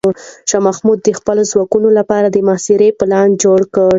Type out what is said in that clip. شاه محمود د خپلو ځواکونو لپاره د محاصرې پلان جوړ کړ.